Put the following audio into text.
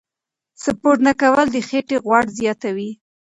سپورت نه کول د خېټې غوړ زیاتوي.